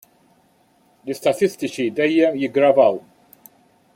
L-istatistiċi dejjem jiggravaw.